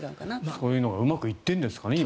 そういうのがうまくいっているんでしょうね今は。